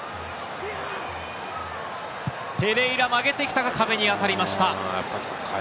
ペレイラも上げてきたが、壁に当たりました。